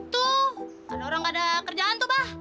tuh ada orang gak ada kerjaan tuh bah